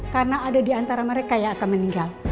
karena ada diantara mereka yang akan meninggal